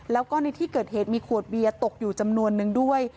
แล้วก็ในที่เกิดเหตุมีขวดเบียร์ตกอยู่จำนวนนึงด้วย